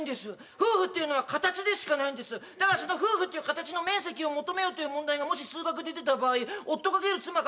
夫婦っていうのは形でしかないんですだからその夫婦っていう形の面積を求めよという問題がもし数学で出た場合夫×妻×